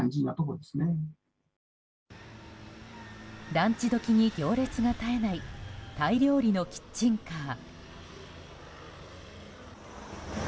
ランチ時に行列が絶えないタイ料理のキッチンカー。